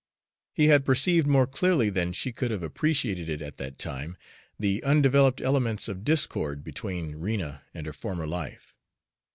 He had perceived, more clearly than she could have appreciated it at that time, the undeveloped elements of discord between Rena and her former life.